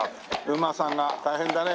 馬さんが大変だね。